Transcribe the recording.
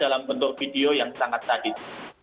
dalam bentuk video yang sangat sadis